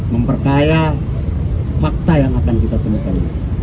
memperkaya fakta yang akan kita temukan